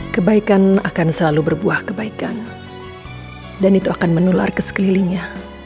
kebaikan akan selalu berbuah kebaikan dan itu akan menular ke sekelilingnya